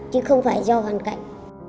chứ không phải do hoàn cảnh